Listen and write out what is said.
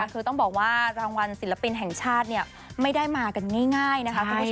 คือต้องบอกว่ารางวัลศิลปินแห่งชาติไม่ได้มากันง่ายนะคะคุณผู้ชม